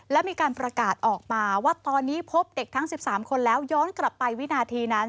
และมีการประกาศออกมาว่าตอนนี้พบเด็กทั้ง๑๓คนแล้วย้อนกลับไปวินาทีนั้น